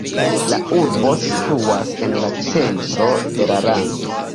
La urbo situas en la centro de la lando.